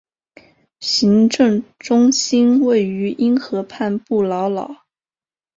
行政中心位于因河畔布劳瑙。